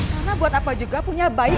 karena buat apa juga punya baik